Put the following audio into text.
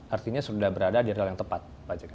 artinya sudah berada di rel yang tepat pak jk